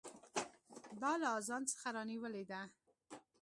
دا له اذان څخه رانیولې ده.